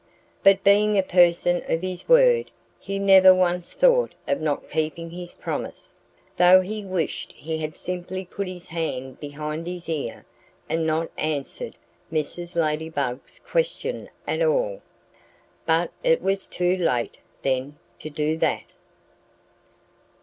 But being a person of his word he never once thought of not keeping his promise, though he wished he had simply put his hand behind his ear and not answered Mrs. Ladybug's question at all. But it was too late, then, to do that.